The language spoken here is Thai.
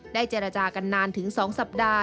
เจรจากันนานถึง๒สัปดาห์